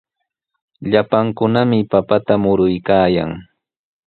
Llapankunami papata muruykaayan.